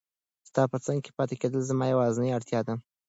ستا په څنګ کې پاتې کېدل زما یوازینۍ اړتیا ده.